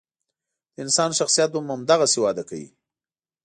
د انسان شخصیت هم همدغسې وده کوي.